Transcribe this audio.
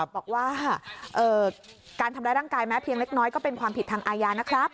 บอกว่าการทำร้ายร่างกายแม้เพียงเล็กน้อยก็เป็นความผิดทางอาญานะครับ